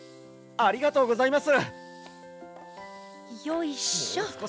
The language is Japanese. ありがとうございます！